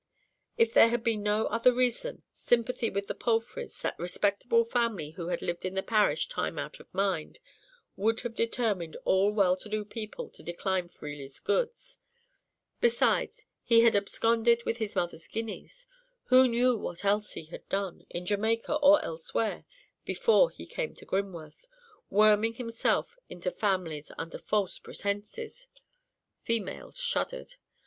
If there had been no other reason, sympathy with the Palfreys, that respectable family who had lived in the parish time out of mind, would have determined all well to do people to decline Freely's goods. Besides, he had absconded with his mother's guineas: who knew what else he had done, in Jamaica or elsewhere, before he came to Grimworth, worming himself into families under false pretences? Females shuddered.